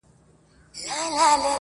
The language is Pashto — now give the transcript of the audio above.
بې منزله مسافر یم، پر کاروان غزل لیکمه٫